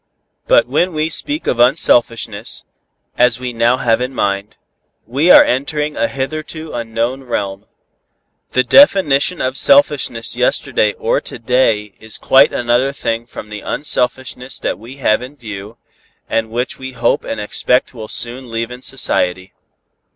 But when we speak of unselfishness, as we now have it in mind, we are entering a hitherto unknown realm. The definition of selfishness yesterday or to day is quite another thing from the unselfishness that we have in view, and which we hope and expect will soon leaven society.